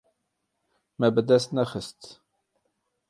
Me bi dest nexist.